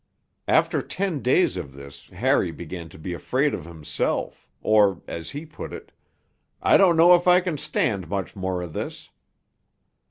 After ten days of this Harry began to be afraid of himself; or, as he put it, 'I don't know if I can stand much more of this.'